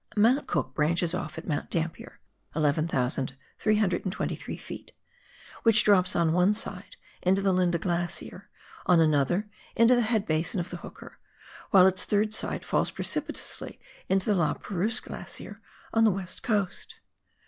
Mount Cook branches off at Mount Dampier (11,323 ft.), which drops on one side into the Linda Glacier, on another into the head basin of the Hooker, while its third side falls precipitously into the La Perouse Glacier on the West Coast.